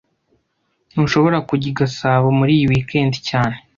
Ntushobora kujya i Gasabo muri iyi weekend cyane